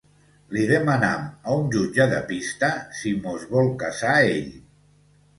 Li demanam a un jutge de pista si mos vol casar ell.